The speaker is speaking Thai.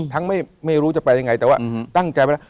ไม่รู้จะไปยังไงแต่ว่าตั้งใจไว้แล้ว